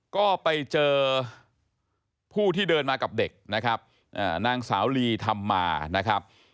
ก็ไปเจอผู้ที่เดินมากับเด็กนะครับนางสาวลีธรรมานะครับ